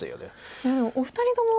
いやでもお二人とも。